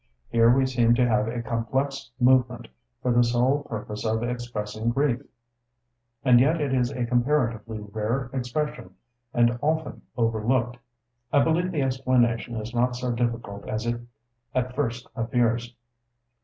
Here we seem to have a complex movement for the sole purpose of expressing grief; and yet it is a comparatively rare expression, and often overlooked. I believe the explanation is not so difficult as it at first appears.